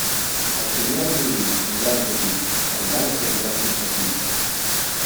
Estudià el violí amb gran profit, arribant a ser un gran concertista.